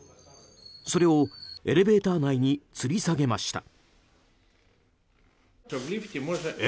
それをエレベーター内につり下げました。